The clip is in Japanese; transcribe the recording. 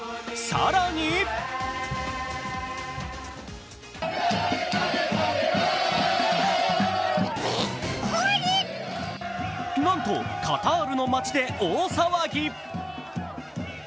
更になんとカタールの街で大騒ぎ。